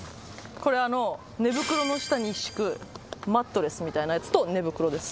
これあの寝袋の下に敷くマットレスみたいなやつと寝袋です。